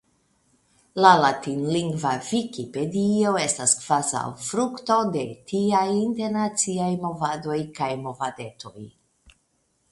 La latinlingva Vikipedio estas kvazaŭ frukto de tiaj internaciaj movadoj kaj movadetoj.